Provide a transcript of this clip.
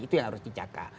itu yang harus dijaga